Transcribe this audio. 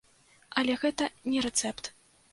Але гэта не рэцэпт.